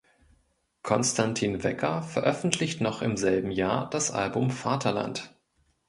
Konstantin Wecker veröffentlicht noch im selben Jahr das Album "Vaterland".